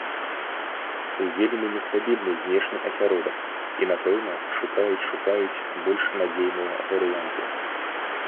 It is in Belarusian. Вельмі нестабільны знешні асяродак, і, напэўна, шукаюць-шукаюць больш надзейныя варыянты.